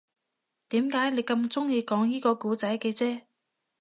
點解你咁鍾意講依個故仔嘅啫